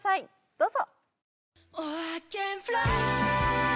どうぞ。